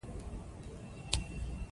نورستان د افغانانو ژوند اغېزمن کوي.